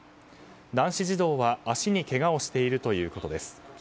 男子児童は足にけがをしているということです。